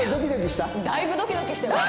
たいぶドキドキしてます。